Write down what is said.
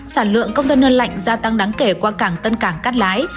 sản lượng công tân nơn lạnh gia tăng đáng kể qua cảng tân cảng cát lái